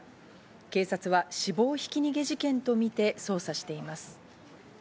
警察は、死亡ひき逃げ事件とみて捜査しています。